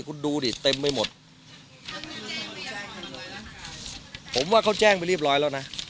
คุณดูดิเต็มไปหมดผมว่าเขาแจ้งไปเรียบร้อยแล้วนะ